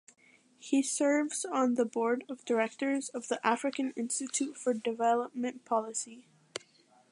He serves on the Board of Directors of the African Institute for Development Policy.